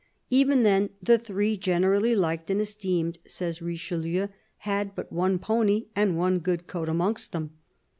Even then the three, generally liked and esteemed, says Richelieu, had but one pony and one good coat amongst them.